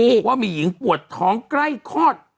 เขารับแจ้งว่ามีหญิงปวดท้องใกล้คลอด